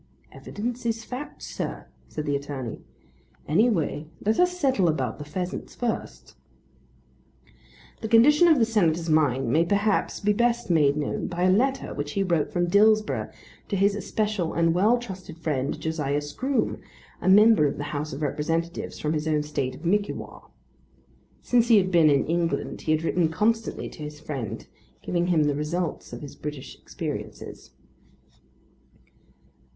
"Evidence is facts, sir," said the attorney. "Any way let us settle about the pheasants first." The condition of the Senator's mind may perhaps be best made known by a letter which he wrote from Dillsborough to his especial and well trusted friend Josiah Scroome, a member of the House of Representatives from his own state of Mickewa. Since he had been in England he had written constantly to his friend, giving him the result of his British experiences.